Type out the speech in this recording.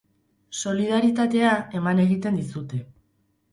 Solidaritatea, eman egiten dizute.